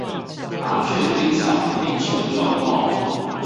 麻雀雖小，被車撞到